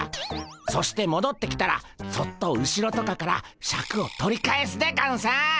そしてもどってきたらそっと後ろとかからシャクを取り返すでゴンス。